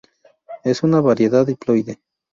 Es una Variedad diploide.